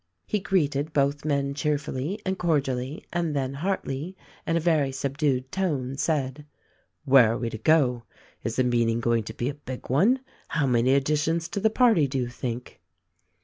He greeted both men cheerfully and cordially and then Hartleigh — in a very subdued tone — said: "Where are we to go ; is the meeting going to be a big one ; how many addi tions to the party do you think